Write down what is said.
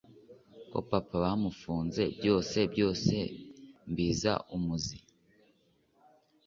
ko papa bamufunze, byose byose mbiza umuzi!